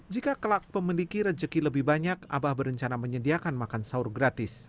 jika kelak memiliki rejeki lebih banyak abah berencana menyediakan makan sahur gratis